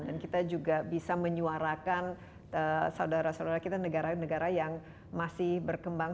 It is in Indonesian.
kita juga bisa menyuarakan saudara saudara kita negara negara yang masih berkembang